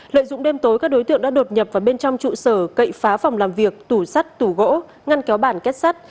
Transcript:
lợi dụng đêm tối các đối tượng đã đột nhập vào bên trong trụ sở cậy phá phòng làm việc tủ sắt tủ gỗ ngăn kéo bản kết sắt